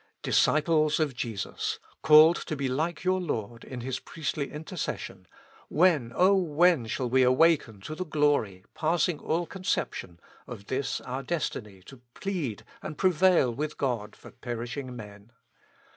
Disciples of Jesus ! called to be like your Lord in His priestly intercession, when, O when ! shall we awaken to the glory, passing all conception, of this our destiny to plead and prevail with God for perish ing men